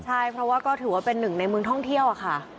ใช่เพราะว่าก็ถือว่าเป็นหนึ่งในเมืองท่องเที่ยวค่ะ